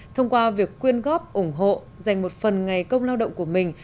thông qua việc quyên góp ủng hộ dành một phần ngày công lao động của mình